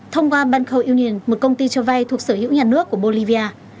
thông qua banco union một công ty cho vay thuộc sở hữu nhà nước của bolivia